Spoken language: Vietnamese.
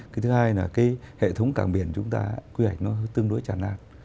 cái thứ hai là cái hệ thống cảng biển của chúng ta quy hoạch nó tương đối chả năng